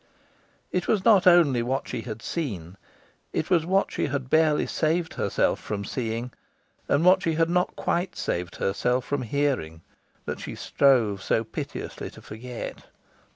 It was not only what she had seen, it was what she had barely saved herself from seeing, and what she had not quite saved herself from hearing, that she strove so piteously to forget.